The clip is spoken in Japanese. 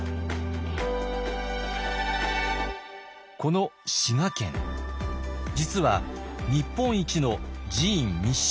この滋賀県実は日本一の寺院密集地帯。